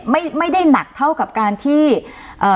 ไม่ได้หนักเท่ากับการที่เอ่อ